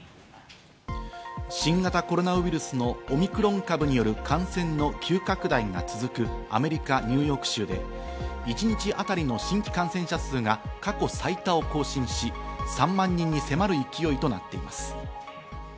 新型コロナウイルスのオミクロン株による感染の急拡大が続くアメリカ・ニューヨーク州で、一日当たりの新規感染者数が過去最多を更新し、３万人に迫る勢いとなっています。